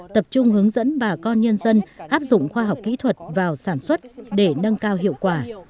tập trung hướng dẫn bà con nhân dân áp dụng khoa học kỹ thuật vào sản xuất để nâng cao hiệu quả